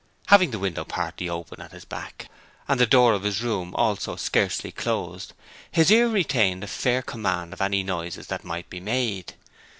Having the window partly open at his back, and the door of his room also scarcely closed, his ear retained a fair command of any noises that might be made.